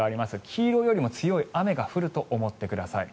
黄色よりも強い雨が降ると思ってください。